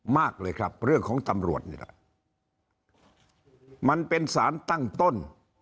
มากเลยครับเรื่องของตำรวจนี่แหละมันเป็นสารตั้งต้น